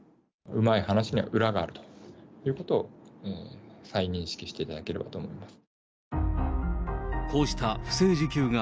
うまい話には裏があるということを再認識していただければと思います。